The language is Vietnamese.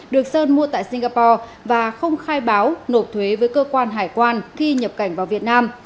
được sơn mua tại singapore và không khai báo nộp thuế với cơ quan hải quan khi nhập cảnh vào việt nam